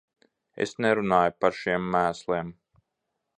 Es nerunāju par šiem mēsliem.